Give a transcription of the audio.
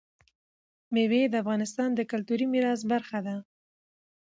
مېوې د افغانستان د کلتوري میراث برخه ده.